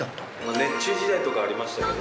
熱中時代とかありましたけど。